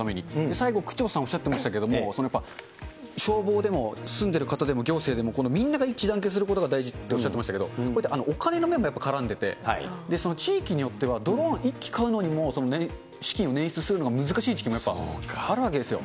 最後、区長さんおっしゃってましたけど、やっぱり消防でも住んでる方でも行政でもみんなが一致団結することが大事っておっしゃってましたけど、これってお金の面もやっぱり絡んでて、その地域によってはドローン１機買うのにも資金捻出するのが難しい地区もあるわけですよ。